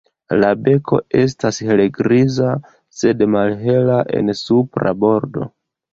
La beko estas helgriza, sed malhela en supra bordo.